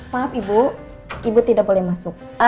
maaf ibu ibu tidak boleh masuk